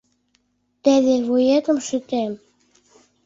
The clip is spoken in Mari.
Теве вуетым шӱтем!